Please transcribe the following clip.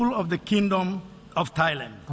ขอบคุณครับ